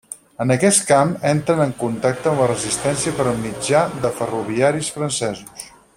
En aquest camp entren en contacte amb la resistència per mitjà de ferroviaris francesos.